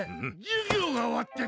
授業が終わって。